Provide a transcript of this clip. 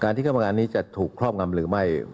การที่กรรมการนี้จะถูกครอบคลำหรือไม่